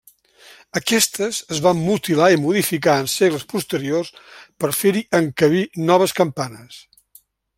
Aquestes es van mutilar i modificar en segles posteriors per fer-hi encabir noves campanes.